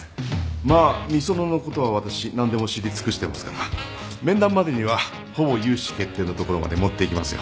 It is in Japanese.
まあみそののことは私何でも知り尽くしてますから面談までにはほぼ融資決定のところまで持っていきますよ。